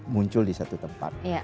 muncul di satu tempat